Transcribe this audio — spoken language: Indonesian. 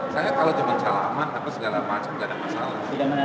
saya kalau cuma salaman apa segala macam tidak ada masalah